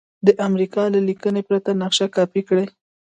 د امریکا له لیکنې پرته نقشه کاپي کړئ.